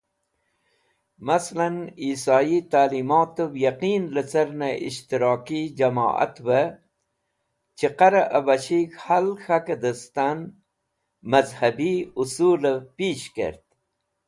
Maslan Eisoyi Ta’limotev Yaqin lecarne Ishtiraki Jamoatve Chiqare Abashev Hal K̃hake distan Mazhabi Usulev Pish Kert.